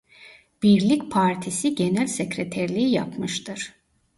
Birlik Partisi genel sekreterliği yapmıştır.